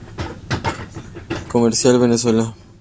Comercial Venezuela".